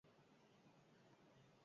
Ez du inork min hartu.